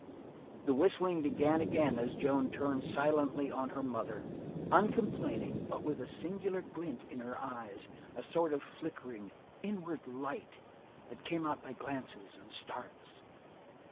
The whistling began again as Joan turned silently on her mother, uncomplaining, but with a singular glint in her eyes, a sort of flickering, inward light that came out by glances and starts.